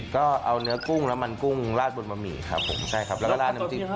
ก็เอาเข้าปากกันแหละ